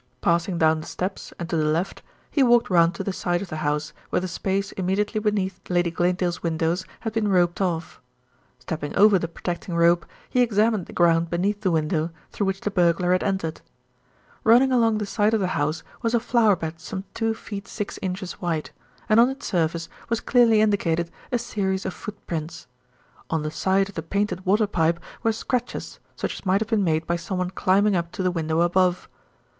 Passing down the steps and to the left, he walked round to the side of the house, where the space immediately beneath Lady Glanedale's windows had been roped off. Stepping over the protecting rope, he examined the ground beneath the window through which the burglar had entered. Running along the side of the house was a flowerbed some two feet six inches wide, and on its surface was clearly indicated a series of footprints. On the side of the painted water pipe were scratches such as might have been made by someone climbing up to the window above.